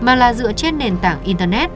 mà là dựa trên nền tảng internet